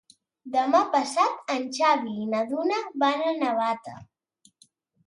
Demà passat en Xavi i na Duna van a Navata.